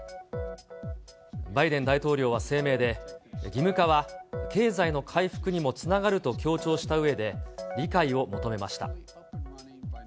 バイデン大統領は声明で、義務化は経済の回復にもつながると強調したうえで、理解を求めました。